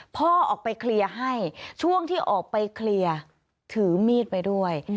พ่อออกไปเคลียร์ให้ช่วงที่ออกไปเคลียร์ถือมีดไปด้วย